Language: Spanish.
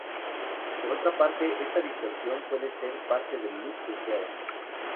Por otra parte, esta distorsión puede ser parte del "look" deseado.